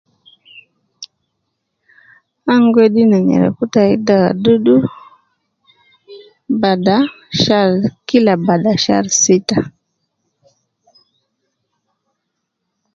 An gi wedi ne nyereku tai dawa dudu ,bada shar, kila bada shar sita